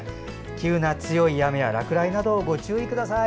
急な強い雨や落雷などにご注意ください。